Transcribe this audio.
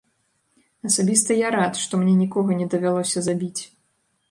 Асабіста я рад, што мне нікога не давялося забіць.